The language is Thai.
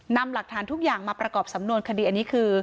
นำหลักฐานทุกอย่างมาประกอบสำนวนคดีอันนี้คือ